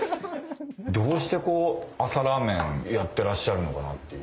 どうして朝ラーメンやってらっしゃるのかなっていう。